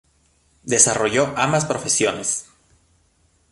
Desarrolló ambas profesiones.